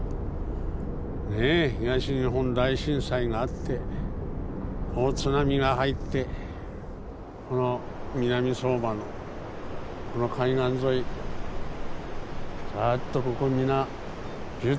ねえ東日本大震災があって大津波が入ってこの南相馬のこの海岸沿いずっとここ皆住宅もあったの。